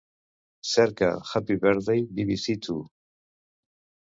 Cerca "Happy Birthday BBC Two".